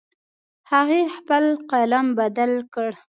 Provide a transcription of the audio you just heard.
هغې خپل قلم بدل کړ